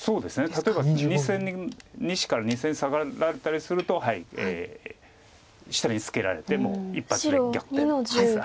例えば２線に２子から２線サガられたりすると下にツケられてもう一発で逆転です。